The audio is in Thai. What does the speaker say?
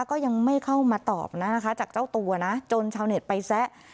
ก็ยังไม่เข้ามาตอบนะนะคะจากเจ้าตัวนะจนชาวเน็ตไปแซะ